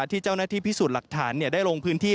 ที่เจ้าหน้าที่พิสูจน์หลักฐานได้ลงพื้นที่